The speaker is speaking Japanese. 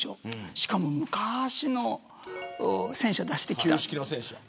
しかも昔の戦車を出してきた。